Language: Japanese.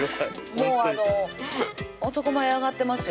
ほんとに男前上がってますよ